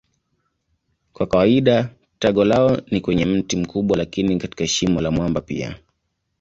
Kwa kawaida tago lao ni kwenye mti mkubwa lakini katika shimo la mwamba pia.